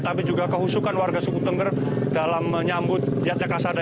tapi juga kehusukan warga suku tengger dalam menyambut yatnya kasada